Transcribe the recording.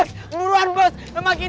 itu gorilanya udah ganteng